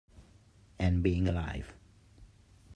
And being alive.